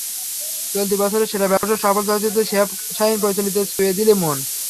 চলতি বছরের সেরা ব্যবসা সফল চলচ্চিত্র শিহাব শাহীন পরিচালিত ছুঁয়ে দিলে মন।